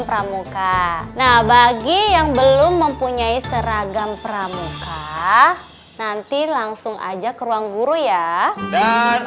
pramuka nah bagi yang belum mempunyai seragam pramuka nanti langsung aja ke ruang guru ya